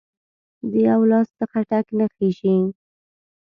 د یو لاس څخه ټک نه خیژي